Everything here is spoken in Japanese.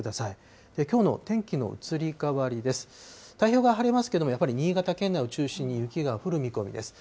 太平洋側、晴れますけれども、やっぱり新潟県内を中心に雪が降る見込みです。